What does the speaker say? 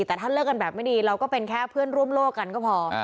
แต่ถ้าเลิกกันแบบไม่ดีเราก็เป็นแค่เพื่อนร่วมโลกกันก็พอ